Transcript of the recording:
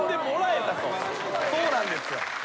そうなんですよ。